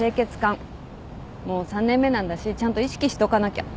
もう３年目なんだしちゃんと意識しとかなきゃ。